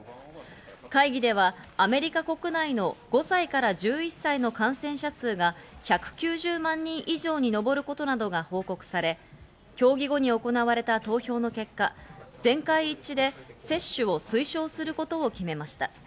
会議ではアメリカ国内の５歳から１１歳の感染者数が１９０万人以上に上ることなどが報告され、協議後に行われた投票の結果、全会一致で接種を推奨することを決めました。